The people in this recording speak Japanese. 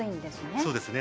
そうですね